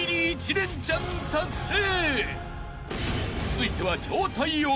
［続いては］